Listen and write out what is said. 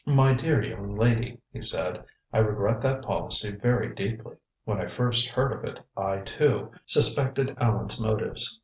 "My dear young lady," he said. "I regret that policy very deeply. When I first heard of it I, too, suspected Allan's motives.